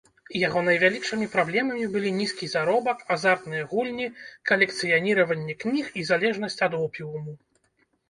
Яго найвялікшымі праблемамі былі нізкі заробак, азартныя гульні, калекцыяніраванне кніг і залежнасць ад опіуму.